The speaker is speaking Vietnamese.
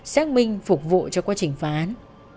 xác minh phục vụ cho quá trình phá án